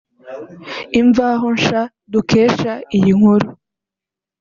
Imvaho Nsha dukesha iyi nkuru